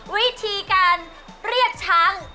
วิธีการเรียกช้าง